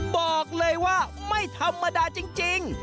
บอกเลยว่าไม่ธรรมดาจริง